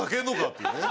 っていうね。